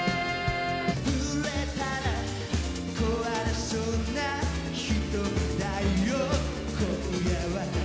「触れたら壊れそうな瞳だよ今夜は」